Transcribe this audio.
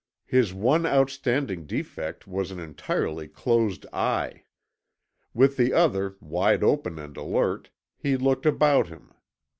His one outstanding defect was an entirely closed eye. With the other, wide open and alert, he looked about him.